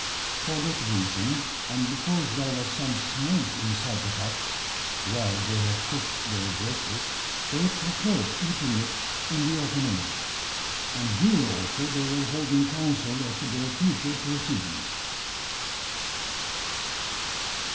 For that reason, and because there was some smoke inside the hut, where they had cooked their breakfast, they had preferred eating it in the open air; and here also they were holding council as to their future proceedings.